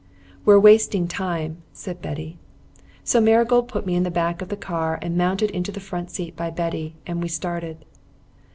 "We're wasting time," said Betty. So Marigold put me into the back of the car and mounted into the front seat by Betty, and we started.